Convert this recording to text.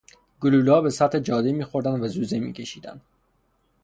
گلولهها به سطح جاده میخوردند و زوزه میکشیدند.